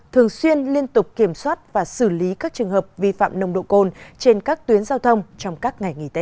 thường xuyên liên tục kiểm soát và xử lý các trường hợp vi phạm nồng độ cồn trên các tuyến giao thông trong các ngày nghỉ tết